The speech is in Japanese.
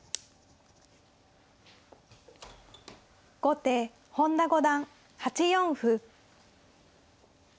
後手本田五段８四歩。